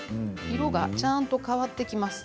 色がちゃんと変わってきます。